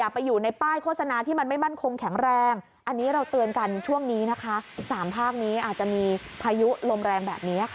คุณผู้ชมอย่าไปอยู่ในที่โล่งแจ้ง